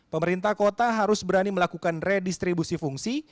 pemerintah kota harus berani melakukan redistribusi fungsi